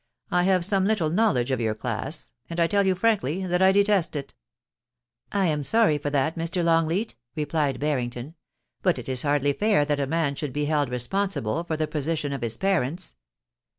I have some little knowledge of your class, and I tell you frankly that I de test it' * I am sorry for that, Mr. Longleat,' replied Barrington ;* but it is hardly fair that a man should be held responsible for the position of his parents.'